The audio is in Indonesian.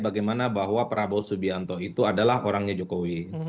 bagaimana bahwa prabowo subianto itu adalah orangnya jokowi